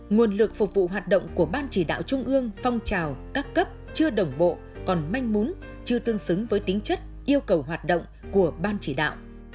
nguồn lực phục vụ hoạt động của ban chỉ đạo trung ương phong trào các cấp chưa đồng bộ còn manh mún chưa tương xứng với tính chất yêu cầu hoạt động của ban chỉ đạo